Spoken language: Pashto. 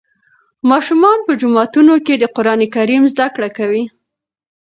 ماشومان په جوماتونو کې د قرآن کریم زده کړه کوي.